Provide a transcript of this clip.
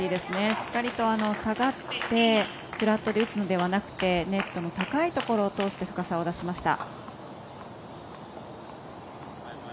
しっかりと下がってフラットで打つのではなくてネットの高いところを通して深さを出しました。